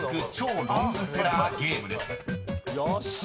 よっしゃ。